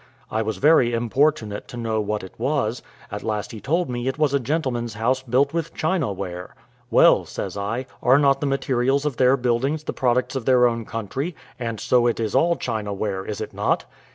I was very importunate to know what it was; at last he told me it was a gentleman's house built with China ware. "Well," says I, "are not the materials of their buildings the products of their own country, and so it is all China ware, is it not?"